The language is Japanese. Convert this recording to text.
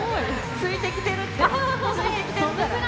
ついてきてるから。